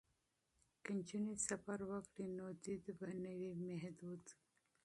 که نجونې سفر وکړي نو دید به نه وي محدود.